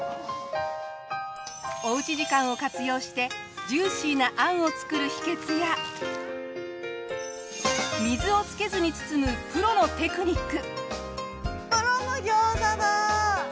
おうち時間を活用してジューシーな餡を作る秘訣や水をつけずに包むプロのテクニック。